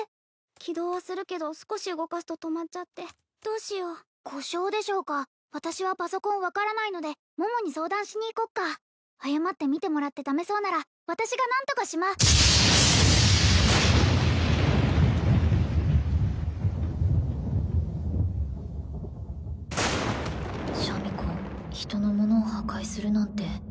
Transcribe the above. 起動はするけど少し動かすと止まっちゃってどうしよう故障でしょうか私はパソコン分からないので桃に相談しに行こっか謝って見てもらってダメそうなら私が何とかしまシャミ子人のものを破壊するなんて